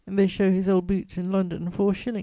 They show his old boots in London for a shilling.